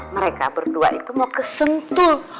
mereka berdua itu mau ke sentul